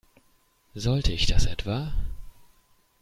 Sollte ich das etwa?